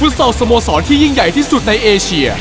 สึกฟุสเติลสโมสรที่ยิ่งใหญ่ที่สุดในเอเชีย